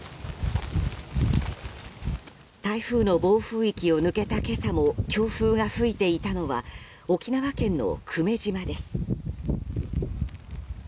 台風の暴風域を抜けた今朝も強風が吹いていたのは沖縄県の久米島です。